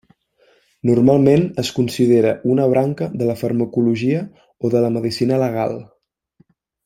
Normalment es considera una branca de la farmacologia o de la medicina legal.